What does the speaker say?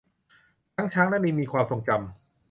ทั้งช้างและลิงมีความทรงจำ